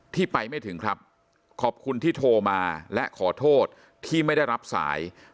ที่ไปไม่ถึงครับขอบคุณที่โทรมาและขอโทษที่ไม่ได้รับสาย